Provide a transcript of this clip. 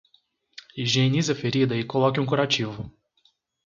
Higienize a ferida e coloque um curativo